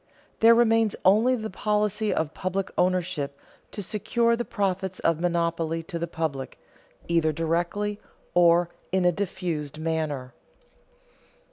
There remains only the policy of public ownership to secure the profits of monopoly to the public, either directly or in a diffused manner.